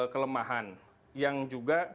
kelemahan yang juga